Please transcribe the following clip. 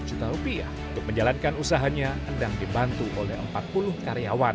untuk menjalankan usahanya andang dibantu oleh empat puluh karyawan